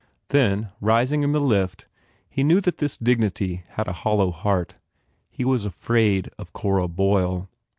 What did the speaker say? Then, rising in the lift, he knew that this dignity had a hollow heart; he was afraid of Cora Boyle.